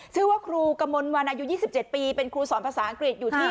ชื่อว่าครูกมลวันอายุ๒๗ปีเป็นครูสอนภาษาอังกฤษอยู่ที่